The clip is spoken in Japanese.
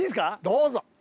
どうぞ。